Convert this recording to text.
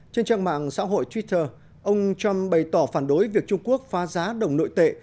trên trang mạng xã hội twitter ông trump bày tỏ phản đối việc trung quốc phá giá đồng nội tệ